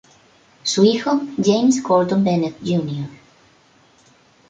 Su hijo James Gordon Bennett, Jr.